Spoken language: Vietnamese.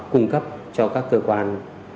cung cấp cho các cơ quan